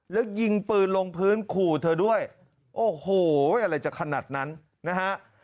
แล้วยิงปืนลงพื้นขู่เธอด้วยโอ้โหอะไรจะขนาดนั้นนะฮะ